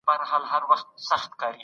له افراط او تفریط څخه ډډه وکړئ.